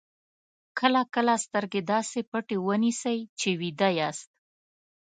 کله کله سترګې داسې پټې ونیسئ چې ویده یاست.